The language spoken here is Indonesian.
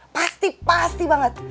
pasti pasti banget